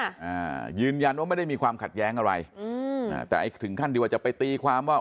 อ่ายืนยันว่าไม่ได้มีความขัดแย้งอะไรอืมอ่าแต่ไอ้ถึงขั้นดีกว่าจะไปตีความว่า